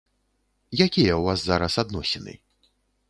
Якія ў вас зараз адносіны?